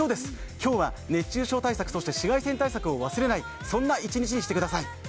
今日は熱中症対策、そして紫外線対策を忘れない、そんな一日にしてください。